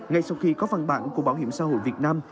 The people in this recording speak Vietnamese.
ngay sau khi có văn bản của bảo hiểm xã hội việt nam